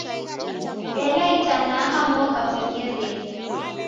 Ela itanaha moka mwengerenyi